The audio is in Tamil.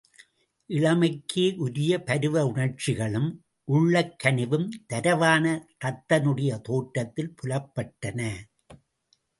இளமைக்கே உரிய பருவ உணர்ச்சிகளும் உள்ளக்கனிவும் தரவான தத்தனுடைய தோற்றத்தில் புலப்பட்டன.